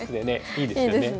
いいですね。